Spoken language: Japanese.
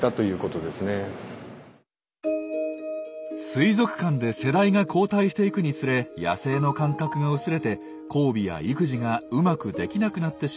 水族館で世代が交代していくにつれ野生の感覚が薄れて交尾や育児がうまくできなくなってしまったようなんです。